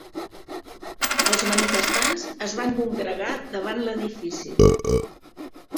Els manifestants es van congregar davant l'edifici